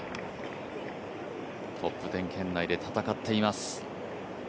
トップ１０圏内で戦っています。